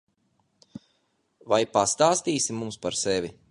Vai pastāstīsi mums par sevi?